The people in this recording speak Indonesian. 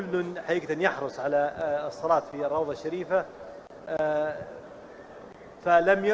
pemerintah arab saudi menerima pelayanan digitalisasi jemaah